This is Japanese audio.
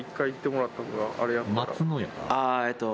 ああえっと